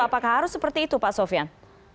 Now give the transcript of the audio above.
apakah harus seperti itu pak sofian